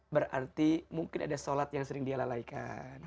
berarti mungkin ada sholat yang sering dia lalaikan